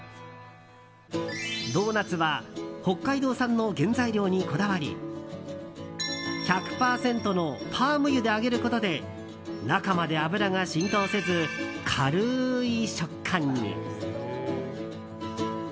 ドーナツは北海道産の原材料にこだわり１００％のパーム油で揚げることで中まで油が浸透せず、軽い食感に。